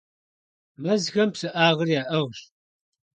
Мэзхэм псыӀагъыр яӀыгъщ.